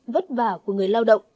vất vả của người lao động